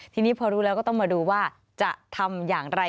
ทีนี้พอรู้แล้วก็ต้องมาดูว่าจะทำอย่างไร